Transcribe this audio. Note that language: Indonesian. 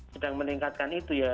sedang meningkatkan itu ya